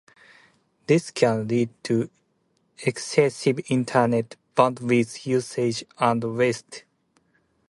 This can lead to excessive internet bandwidth usage and waste.